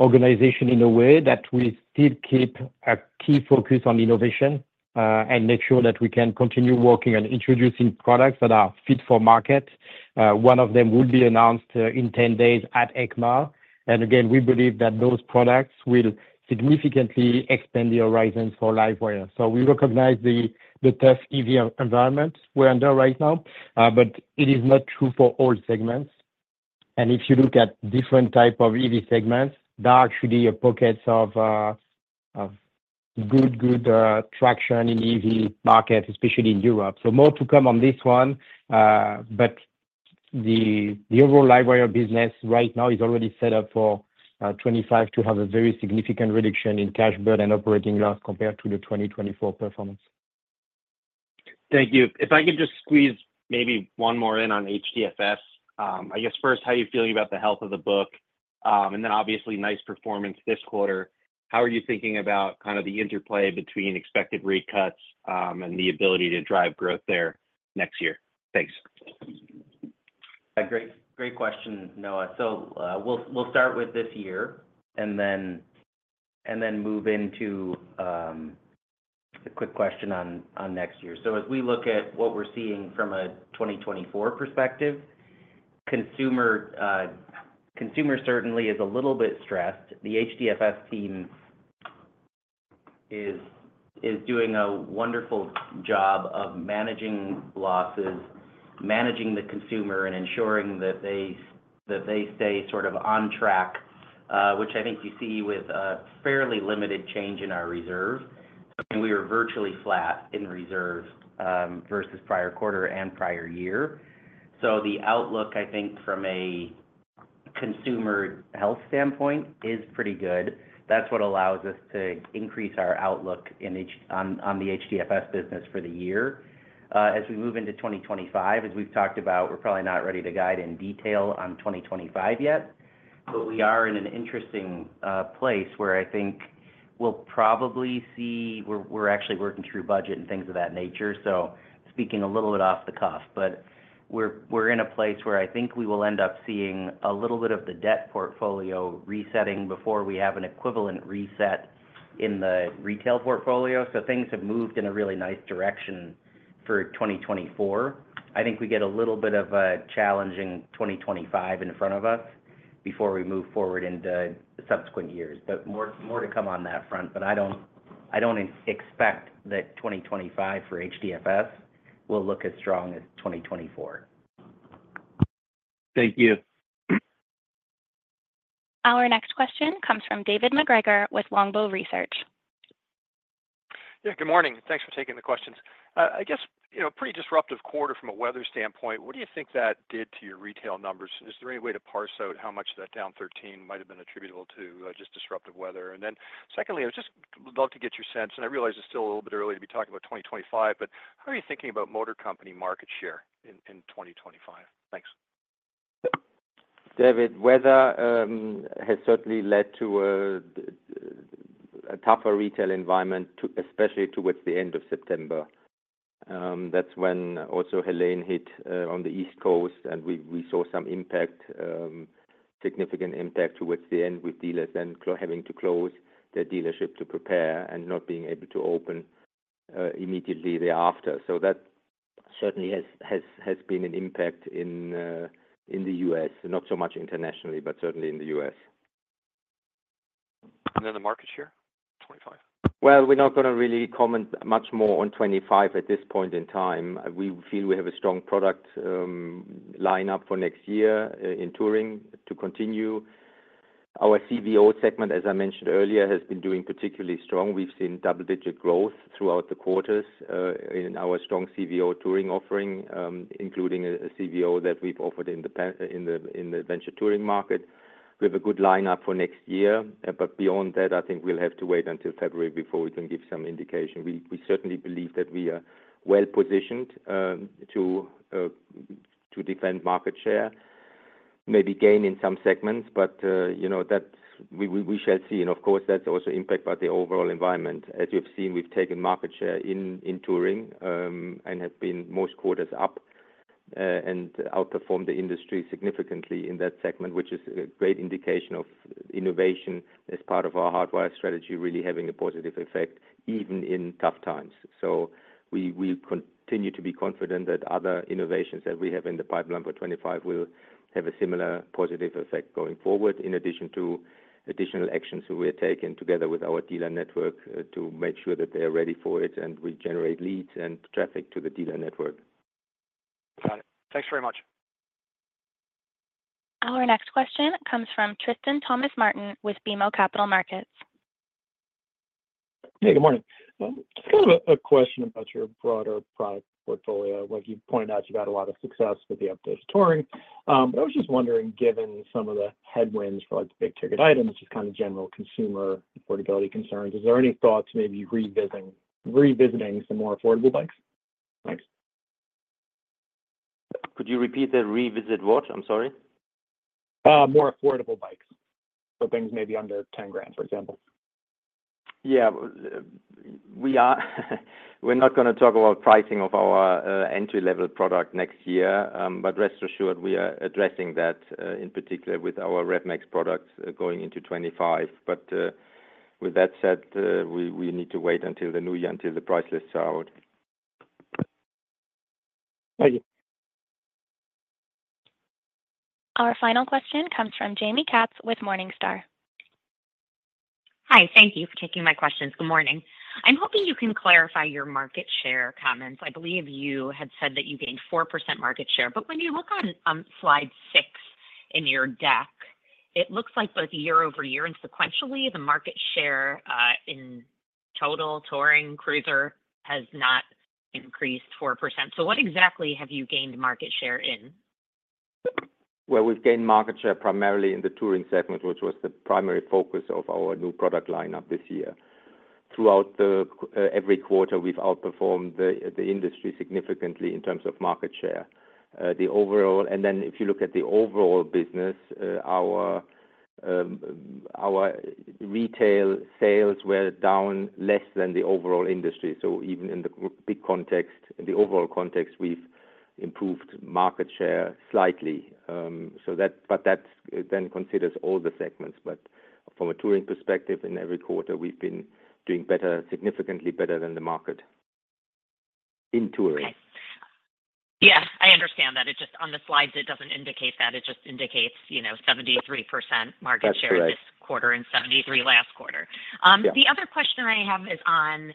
organization in a way that we still keep a key focus on innovation and make sure that we can continue working on introducing products that are fit for market. One of them will be announced in ten days at EICMA. And again, we believe that those products will significantly extend the horizons for LiveWire. So we recognize the tough EV environment we're under right now, but it is not true for all segments. And if you look at different type of EV segments, there are actually pockets of good traction in EV market, especially in Europe. So more to come on this one, but the overall LiveWire business right now is already set up for 2025 to have a very significant reduction in cash burn and operating loss compared to the 2024 performance. Thank you. If I could just squeeze maybe one more in on HDFS. I guess first, how are you feeling about the health of the book? And then obviously, nice performance this quarter. How are you thinking about kind of the interplay between expected rate cuts, and the ability to drive growth there next year? Thanks. Great, great question, Noah. We'll start with this year, and then move into a quick question on next year. As we look at what we're seeing from a 2024 perspective, consumer certainly is a little bit stressed. The HDFS team is doing a wonderful job of managing losses, managing the consumer, and ensuring that they stay sort of on track, which I think you see with a fairly limited change in our reserve. I mean, we are virtually flat in reserves versus prior quarter and prior year. The outlook, I think, from a consumer health standpoint is pretty good. That's what allows us to increase our outlook on the HDFS business for the year. As we move into 2025, as we've talked about, we're probably not ready to guide in detail on 2025 yet, but we are in an interesting place where I think we'll probably see... We're actually working through budget and things of that nature, so speaking a little bit off the cuff. But we're in a place where I think we will end up seeing a little bit of the debt portfolio resetting before we have an equivalent reset in the retail portfolio. So things have moved in a really nice direction for 2024. I think we get a little bit of a challenging 2025 in front of us before we move forward into subsequent years. But more to come on that front, but I don't expect that 2025 for HDFS will look as strong as 2024. Thank you. Our next question comes from David MacGregor with Longbow Research. Yeah, good morning. Thanks for taking the questions. I guess, you know, pretty disruptive quarter from a weather standpoint, what do you think that did to your retail numbers? Is there any way to parse out how much of that down 13 might have been attributable to just disruptive weather? And then secondly, I was just cur-... Would love to get your sense, and I realize it's still a little bit early to be talking about 2025, but how are you thinking about Motor Company market share in 2025? Thanks. David, weather has certainly led to a tougher retail environment, especially towards the end of September. That's when also Helene hit on the East Coast, and we saw some impact, significant impact towards the end, with dealers then having to close their dealership to prepare and not being able to open immediately thereafter. So that certainly has been an impact in the U.S. Not so much internationally, but certainly in the U.S. And then the market share, 2025? We're not gonna really comment much more on 2025 at this point in time. We feel we have a strong product lineup for next year in Touring to continue. Our CVO segment, as I mentioned earlier, has been doing particularly strong. We've seen double-digit growth throughout the quarters in our strong CVO Touring offering, including a CVO that we've offered in the adventure Touring market. We have a good lineup for next year, but beyond that, I think we'll have to wait until February before we can give some indication. We certainly believe that we are well-positioned to defend market share, maybe gain in some segments, but you know, that we shall see. And of course, that's also impacted by the overall environment. As you've seen, we've taken market share in Touring, and have been most quarters up, and outperformed the industry significantly in that segment, which is a great indication of innovation as part of our Hardwire strategy, really having a positive effect even in tough times. So we continue to be confident that other innovations that we have in the pipeline for 2025 will have a similar positive effect going forward, in addition to additional actions we are taking together with our dealer network, to make sure that they are ready for it, and we generate leads and traffic to the dealer network. Got it. Thanks very much. Our next question comes from Tristan Thomas-Martin with BMO Capital Markets. Hey, good morning. Just kind of a question about your broader product portfolio. Like you pointed out, you got a lot of success with the updated Touring. But I was just wondering, given some of the headwinds for, like, the big-ticket items, just kind of general consumer affordability concerns, is there any thought to maybe revisiting some more affordable bikes? Thanks. Could you repeat that? Revisit what? I'm sorry. More affordable bikes. So things maybe under 10 grand, for example. Yeah. We're not gonna talk about pricing of our entry-level product next year. But rest assured, we are addressing that in particular with our RevMax products going into 2025. But with that said, we need to wait until the new year, until the price lists are out. Thank you. Our final question comes from Jamie Katz with Morningstar. Hi, thank you for taking my questions. Good morning. I'm hoping you can clarify your market share comments. I believe you had said that you gained 4% market share, but when you look on, slide six in your deck, it looks like both year-over-year and sequentially, the market share, in total, Touring, cruiser, has not increased 4%. So what exactly have you gained market share in? We've gained market share primarily in the Touring segment, which was the primary focus of our new product lineup this year. Throughout every quarter, we've outperformed the industry significantly in terms of market share. And then if you look at the overall business, our retail sales were down less than the overall industry. So even in the big context, in the overall context, we've improved market share slightly. But that then considers all the segments. But from a Touring perspective, in every quarter, we've been doing better, significantly better than the market in Touring. Yeah, I understand that. It just... On the slides, it doesn't indicate that. It just indicates, you know, 73% market share- That's right... this quarter and 73 last quarter. Yeah. The other question I have is on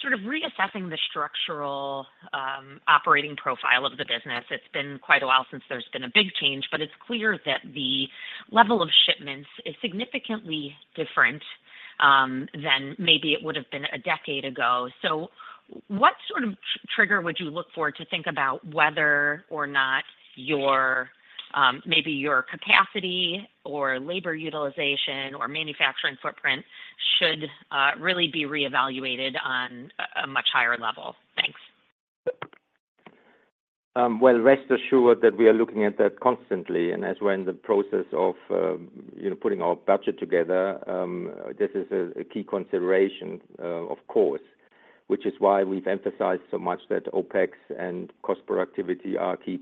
sort of reassessing the structural operating profile of the business. It's been quite a while since there's been a big change, but it's clear that the level of shipments is significantly different than maybe it would have been a decade ago. So what sort of trigger would you look for to think about whether or not maybe your capacity or labor utilization or manufacturing footprint should really be reevaluated on a much higher level? Thanks. Well, rest assured that we are looking at that constantly, and as we're in the process of, you know, putting our budget together, this is a key consideration, of course, which is why we've emphasized so much that OpEx and cost productivity are a key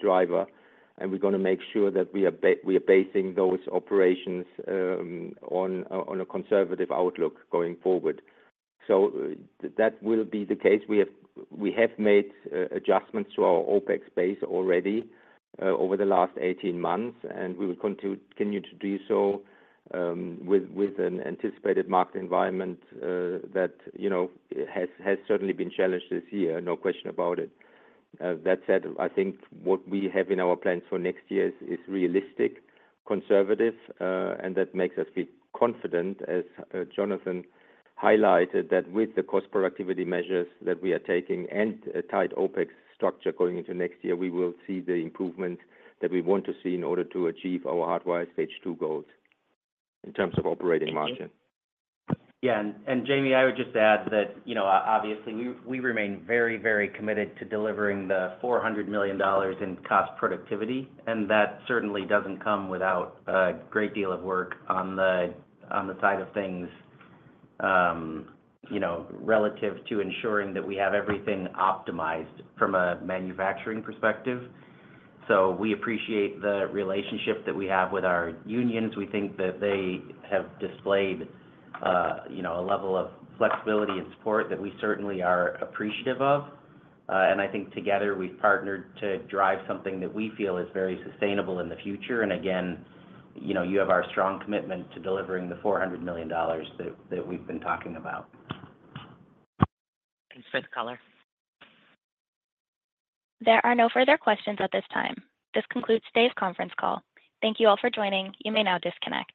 driver. We're gonna make sure that we are basing those operations on a conservative outlook going forward. That will be the case. We have made adjustments to our OpEx base already over the last 18 months, and we will continue to do so with an anticipated market environment that, you know, has certainly been challenged this year, no question about it. That said, I think what we have in our plans for next year is realistic, conservative, and that makes us feel confident, as Jonathan highlighted, that with the cost productivity measures that we are taking and a tight OpEx structure going into next year, we will see the improvement that we want to see in order to achieve our Hardwire Stage Two goals in terms of operating margin. Yeah, and Jamie, I would just add that, you know, obviously, we remain very, very committed to delivering $400 million in cost productivity, and that certainly doesn't come without a great deal of work on the side of things, you know, relative to ensuring that we have everything optimized from a manufacturing perspective. So we appreciate the relationship that we have with our unions. We think that they have displayed, you know, a level of flexibility and support that we certainly are appreciative of. And I think together, we've partnered to drive something that we feel is very sustainable in the future. And again, you know, you have our strong commitment to delivering the $400 million that we've been talking about. Thanks for the call. There are no further questions at this time. This concludes today's conference call. Thank you all for joining. You may now disconnect.